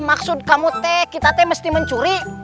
maksud kamu teh kita teh mesti mencuri